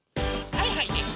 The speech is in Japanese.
はいはいです。